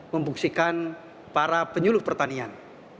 membuktikan para penyuluh pertanian